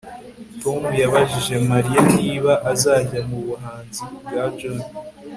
Tom yabajije Mariya niba azajya mu buhanzi bwa John